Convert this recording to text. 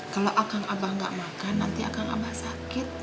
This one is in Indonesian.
kalau akang abah gak makan nanti akang abah sakit